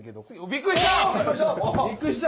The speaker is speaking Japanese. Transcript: びっくりした。